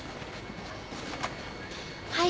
はい。